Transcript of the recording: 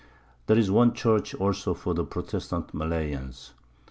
There is one Church also for the Protestant Malayans.